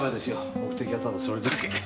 目的はただそれだけ。